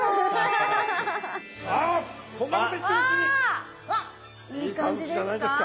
そんなこと言ってるうちにいい感じじゃないですか。